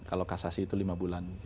kalau kasasi itu lima bulan